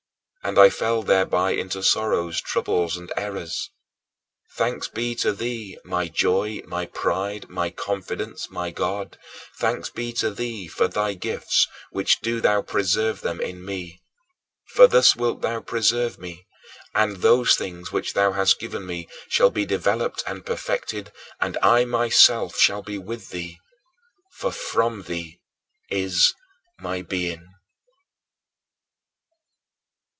And I fell thereby into sorrows, troubles, and errors. Thanks be to thee, my joy, my pride, my confidence, my God thanks be to thee for thy gifts; but do thou preserve them in me. For thus wilt thou preserve me; and those things which thou hast given me shall be developed and perfected, and I myself shall be with thee, for from thee is my being.